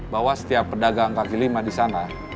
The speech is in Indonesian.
bahwa setiap pedagang kaki lima disana